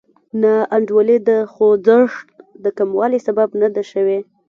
ناانډولي د خوځښت د کموالي سبب نه ده شوې.